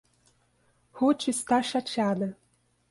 Ruth está chateada.